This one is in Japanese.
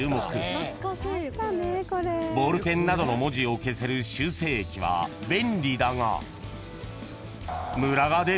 ［ボールペンなどの文字を消せる修正液は便利だが］